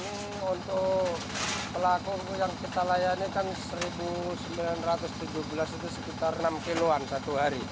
ini untuk pelaku yang kita layani kan seribu sembilan ratus tujuh belas itu sekitar enam kiloan satu hari